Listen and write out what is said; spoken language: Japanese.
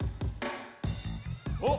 おっ！